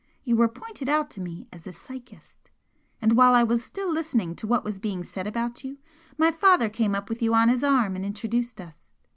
You were pointed out to me as a "psychist" and while I was still listening to what was being said about you, my father came up with you on his arm and introduced us.